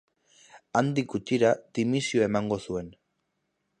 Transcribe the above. Handik gutxira dimisioa emango zuen.